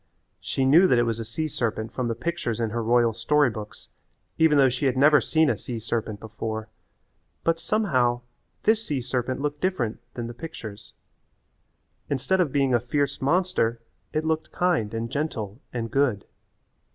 She knew that it was a sea serpent from the pictures in her royal story books even though she had never seen a sea serpent before, but somehow this sea serpent looked different than the pictures. Instead of being a fierce monster it looked kind and gentle and good.